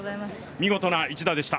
見事な一打でした。